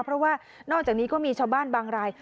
เพราะว่านอกจากนี้ก็มีชาวบ้านบางราย